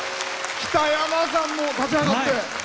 北山さんも立ち上がって。